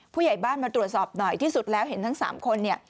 ผู้ใหญ่บ้านมาตรวจสอบหน่อยที่สุดแล้วเห็นทั้ง๓คนเนี่ย